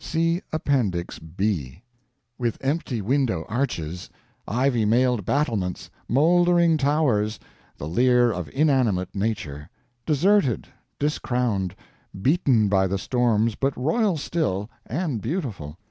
See Appendix B] with empty window arches, ivy mailed battlements, moldering towers the Lear of inanimate nature deserted, discrowned, beaten by the storms, but royal still, and beautiful.